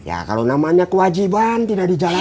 ya kalau namanya kewajiban tidak dijalankan